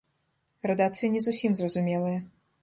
Градацыя не зусім зразумелая.